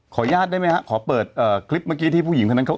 ขออนุญาตได้มั้ยคะขอเปิดคลิปเมื่อกี๊ที่ผู้หญิงแปบนั้นเข้า